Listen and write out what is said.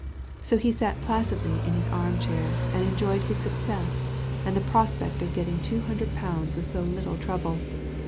So he sat placidly in his armchair, and enjoyed his success, and the prospect of getting two hundred pounds with so little trouble.